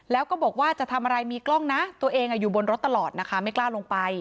แล้วก็บอกว่าจะทำอะไรมีกล้องนะตัวเองอยู่บนรถตลอดนะคะไม่กล้าลงไป